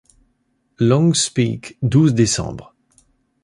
Longs’s-Peak, douze décembre.